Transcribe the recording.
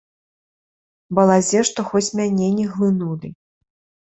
Балазе што хоць мяне не глынулі.